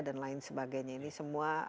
dan lain sebagainya ini semua